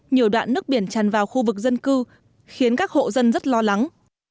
nhiều đoạn nước biển tràn vào khu vực dân cư khiến các hộ dân rất lo lắng